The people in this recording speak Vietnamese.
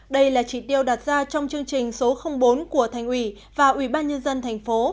đây là chỉ tiêu đạt ra trong chương trình số bốn của thành ủy và ủy ban nhân dân thành phố